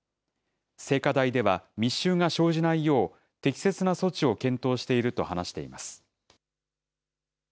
聖火台では密集が生じないよう、適切な措置を検討していると話しています。